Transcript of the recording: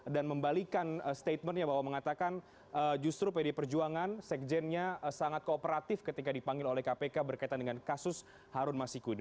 dan membalikan statementnya bahwa mengatakan justru pdi perjuangan sekjennya sangat kooperatif ketika dipanggil oleh kpk berkaitan dengan kasus harun masiku ini